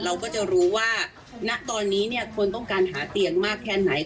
เราก็จะรู้ว่าตอนนี้คนต้องการหาเตียงแค่ไหน